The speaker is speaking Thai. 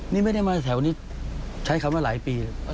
นี่ไม่ได้มาแถวนี้ใช้คำว่าหลายปี